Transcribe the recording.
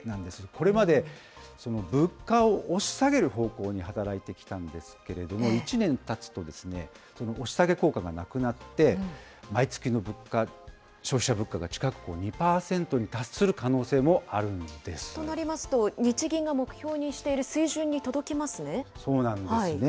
これまで物価を押し下げる方向に働いてきたんですけれども、１年たつと、その押し下げ効果がなくなって、毎月の物価、消費者物価が近く、２％に達する可能性もあとなりますと、日銀が目標にそうなんですね。